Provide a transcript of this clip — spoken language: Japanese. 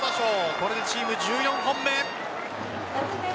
これでチーム１４本目。